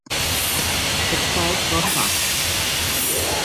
It falt wat ta.